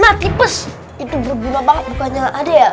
nah tipes itu berguna banget bukannya ada ya